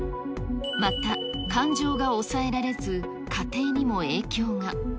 また感情が抑えられず、家庭にも影響が。